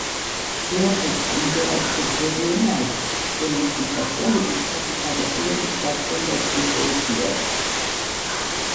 ჟირაფებს იმდენად გრძელი ენა აქვთ, რომ მისი საშუალებით საკუთარი ყურების გაწმენდაც კი შეუძლიათ.